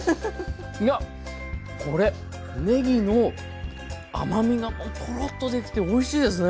いやこれねぎの甘みがトロッと出てきておいしいですね。